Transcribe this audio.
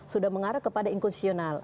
sudah mengarah kepada inkonstitusional